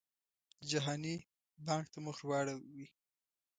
جهاني بانک ته مخ ورواړوي.